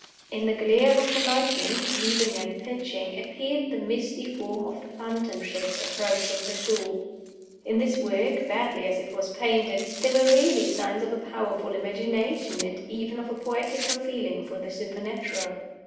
In the glare of the lightning, heaving and pitching, appeared the misty form of the Phantom Ship approaching the shore. In this work, badly as it was painted, there were really signs of a powerful imagination, and even of a poetical feeling for the supernatural.